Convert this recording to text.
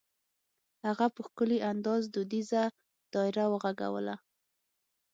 هغه په ښکلي انداز دودیزه دایره وغږوله.